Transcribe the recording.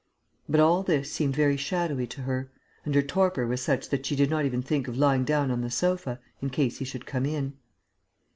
But all this seemed very shadowy to her; and her torpor was such that she did not even think of lying down on the sofa, in case he should come in....